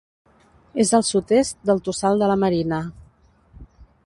És al sud-est del Tossal de la Marina.